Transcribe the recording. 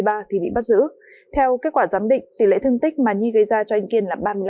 theo kết quả giám định tỷ lệ thương tích mà nhi gây ra cho anh kiên là ba mươi năm